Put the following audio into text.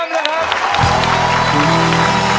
นะครับ